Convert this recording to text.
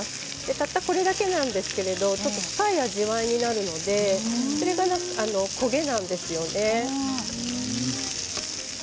たったこれだけなんですけれど深い味わいになるのでこれが焦げなんですよね。